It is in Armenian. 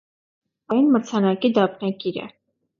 Ազգային մրցանակի դափնեկիր է։